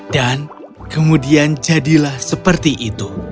dan kemudian jadilah seperti itu